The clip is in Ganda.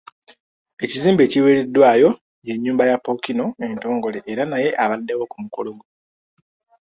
Ekizimbe ekiweereddwayo ye nnyumba ya Pookino entongole era naye abaddewo ku mukolo guno.